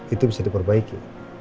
itu bisa diperbaiki